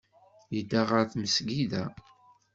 Yedda ɣer tmesgida.